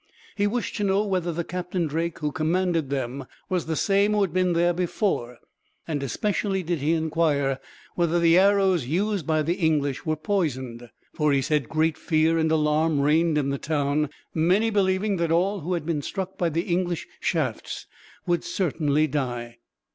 He wished to know whether the Captain Drake who commanded them was the same who had been there before, and especially did he inquire whether the arrows used by the English were poisoned; for, he said, great fear and alarm reigned in the town, many believing that all who had been struck by the English shafts would certainly die.